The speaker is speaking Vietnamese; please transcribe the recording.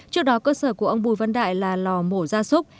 trước đó cơ sở của ông bùi văn đại là lò mổ gia súc